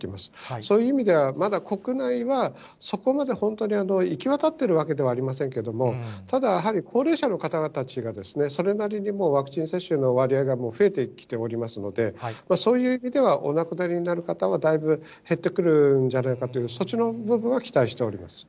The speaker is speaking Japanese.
そういう意味では、まだ国内は、そこまで本当に行き渡っているわけではありませんけれども、ただやはり高齢者の方たちが、それなりにもう、ワクチン接種の割合が増えてきておりますので、そういう意味では、お亡くなりになる方はだいぶ減ってくるんじゃないかと、そちらの部分は期待しております。